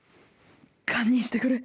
堪忍してくれ。